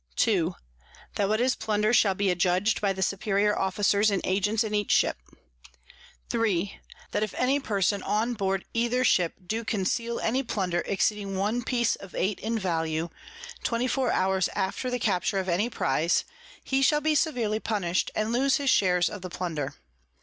_ 2. That what is Plunder shall be adjudg'd by the superior Officers and Agents in each Ship. 3. That if any Person on board either Ship do conceal any Plunder exceeding one Piece of Eight in value, 24 _hours after the Capture of any Prize, he shall be severely punish'd, and lose his Shares of the Plunder.